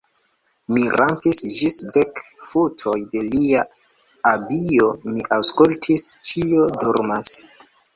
Mi rampis ĝis dek futoj de lia abio, mi aŭskultis: ĉio dormas.